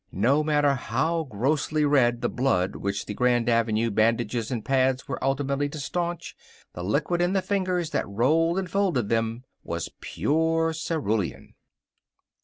No matter how grossly red the blood which the Grand Avenue bandages and pads were ultimately to stanch, the liquid in the fingers that rolled and folded them was pure cerulean.